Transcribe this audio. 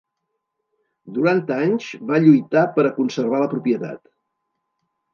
Durant anys, va lluitar per a conservar la propietat.